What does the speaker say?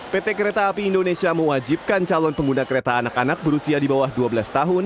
pt kereta api indonesia mewajibkan calon pengguna kereta anak anak berusia di bawah dua belas tahun